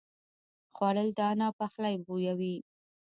خوړل د انا پخلی بویوي